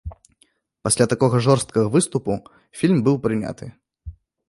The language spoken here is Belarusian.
Пасля такога жорсткага выступу фільм быў прыняты.